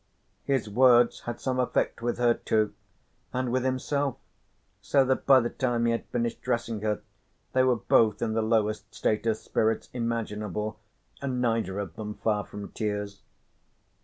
His words had some effect with her too, and with himself, so that by the time he had finished dressing her they were both in the lowest state of spirits imaginable and neither of them far from tears.